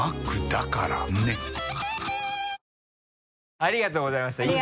ありがとうございましたい